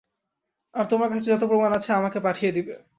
আর তোমার কাছে যত প্রমাণ আছে আমাকে পাঠিয়ে দিবে।